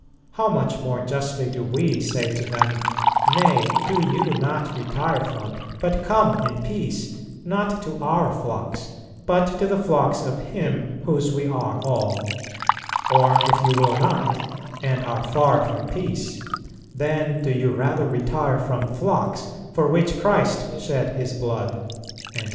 How much more justly do we say to them, 'Nay, do you, not retire from, but come in peace, not to our flocks, but to the flocks of Him whose we are all; or if you will not, and are far from peace, then do you rather retire from flocks, for which Christ shed His Blood.'"